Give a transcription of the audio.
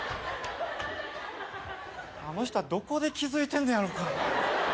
あの人はどこで気付いてんのやろか？